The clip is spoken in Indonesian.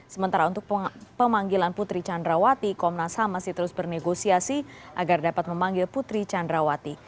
sementara untuk pemanggilan putri candrawati komnas ham masih terus bernegosiasi agar dapat memanggil putri candrawati